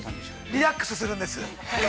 ◆リラックスするんです。